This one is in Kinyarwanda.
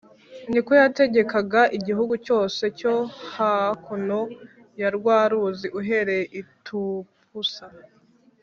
Nuko yategekaga igihugu cyose cyo hakuno ya rwa ruzi uhereye i Tipusa